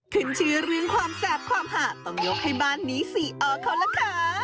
ขึ้นชื่อเรื่องความแสบความหาต้องยกให้บ้านนี้สี่อเขาล่ะค่ะ